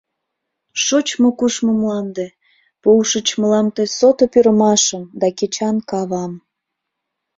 Шочмо-кушмо мланде, Пуышыч мылам тый Сото пӱрымашым да кечан кавам.